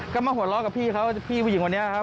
ก็มาหัวล้ากับพี่เขาพี่ผู้หญิงวันแหละครับ